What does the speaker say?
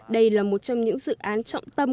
đây là một trong những dự án trọng tâm